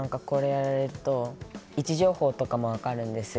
僕は位置情報とかも分かるんですよ。